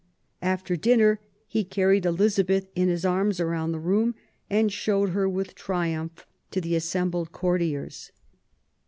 After dinner he carried Elizabeth in his arms round the room, and showed her with triumph to the assembled courtiers.